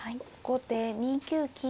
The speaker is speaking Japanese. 後手２九金。